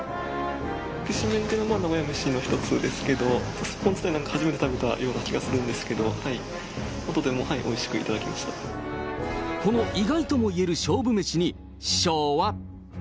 きしめんというのは名古屋の飯の一つですけど、すっぽん自体初めて食べたような気がするんですけれども、とてもおいしく頂きこの意外ともいえる勝負メシに、師匠は。